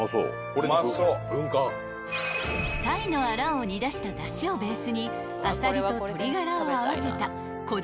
［鯛のアラを煮出しただしをベースにあさりと鶏ガラを合わせたこだわりのトリプルスープ］